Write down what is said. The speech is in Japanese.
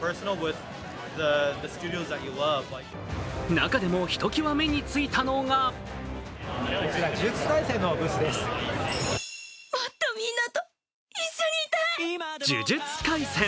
中でもひときわ目についたのが「呪術廻戦」